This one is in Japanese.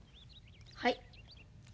はい。